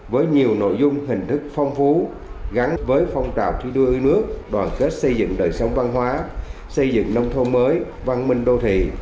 với nhiều nội dung hình thức phong phú gắn với phong trào thi đua yêu nước đoàn kết xây dựng đời sống văn hóa xây dựng nông thôn mới văn minh đô thị